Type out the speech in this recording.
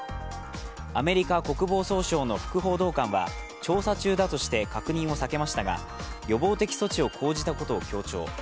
アメリカ国防総省の副報道官は調査中だとして確認を避けましたが、予防的措置を講じたことを強調。